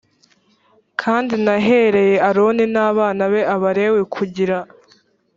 kandi nahereye aroni n abana be abalewi kugira